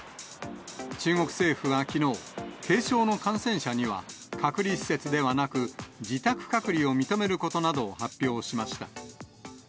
中国政府はきのう、軽症の感染者には隔離施設ではなく、自宅隔離を認めることなどを発表しました。